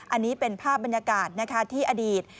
อันนี้เป็นภาพบรรยากาศที่อดีต